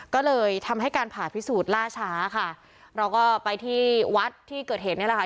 ก็เลยทำให้การผ่าพิสูจน์ล่าช้าค่ะเราก็ไปที่วัดที่เกิดเหตุนี่แหละค่ะ